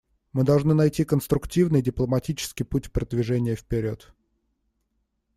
Мы должны найти конструктивный, дипломатический путь продвижения вперед.